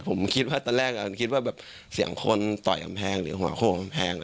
ผมคิดว่าตอนแรกอันคิดว่าแบบเสียงคนต่อยกำแพงหรือหัวโข่งกำแพง